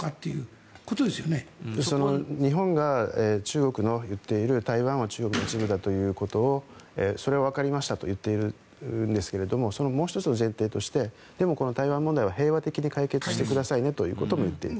日本が中国の言っている台湾は中国の一部だということはそれは分かりましたと言っているんですけれどももう１つの前提として台湾問題は平和的に解決してくださいということも言っている。